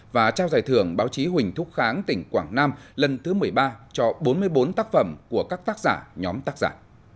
và trao giải thưởng báo chí huỳnh thúc kháng tỉnh quảng nam lần thứ một mươi ba cho bốn mươi bốn tác phẩm của các tác giả nhóm tác giả